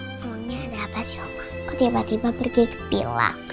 emangnya ada apa sih oma tiba tiba pergi ke villa